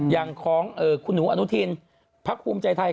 อย่างของคุณหนูอนุทินพักภูมิใจไทย